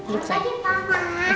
selamat pagi mama